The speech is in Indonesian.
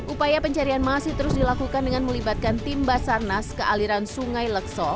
upaya pencarian masih terus dilakukan dengan melibatkan tim basarnas ke aliran sungai lekso